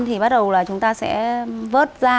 thì bắt đầu là chúng ta sẽ vớt ra